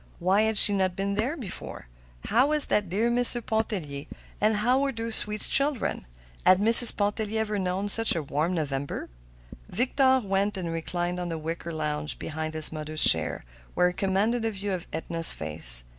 Why had she not been there before? How was that dear Mr. Pontellier and how were those sweet children? Had Mrs. Pontellier ever known such a warm November? Victor went and reclined on the wicker lounge behind his mother's chair, where he commanded a view of Edna's face.